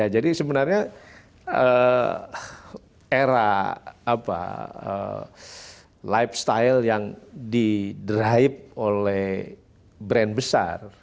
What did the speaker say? jadi sebenarnya era lifestyle yang di drive oleh brand besar